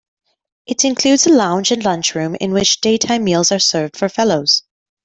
It includes a lounge and lunchroom in which daytime meals are served for fellows.